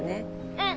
うん！